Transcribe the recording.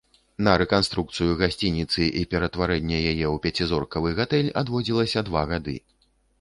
На рэканструкцыю гасцініцы і ператварэнне яе ў пяцізоркавы гатэль адводзілася два гады.